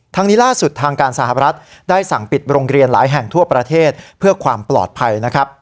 นี้ล่าสุดทางการสหรัฐได้สั่งปิดโรงเรียนหลายแห่งทั่วประเทศเพื่อความปลอดภัยนะครับ